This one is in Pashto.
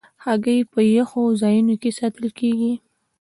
هګۍ په یخو ځایونو کې ساتل کېږي.